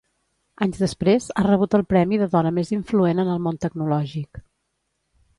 Anys després, ha rebut el premi de dona més influent en el món tecnològic.